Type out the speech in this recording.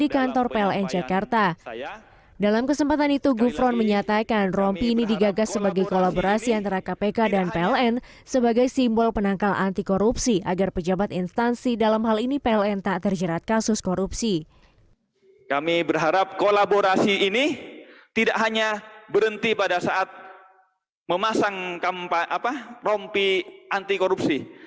kami berharap kolaborasi ini tidak hanya berhenti pada saat memasang rompi anti korupsi